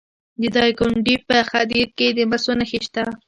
د دایکنډي په خدیر کې د مسو نښې شته.